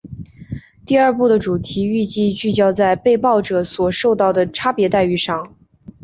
第二部的主题预计聚焦在被爆者所受到的差别待遇上。